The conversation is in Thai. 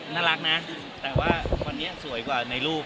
น่ารักนะแต่ว่าวันนี้สวยกว่าในรูป